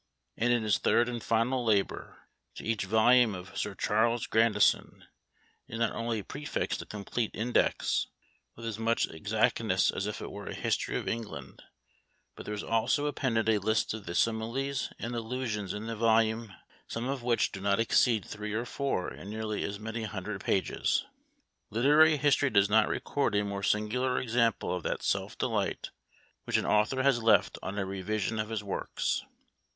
And in his third and final labour, to each volume of Sir Charles Grandison is not only prefixed a complete index, with as much exactness as if it were a History of England, but there is also appended a list of the similes and allusions in the volume; some of which do not exceed three or four in nearly as many hundred pages. Literary history does not record a more singular example of that self delight which an author has felt on a revision of his works.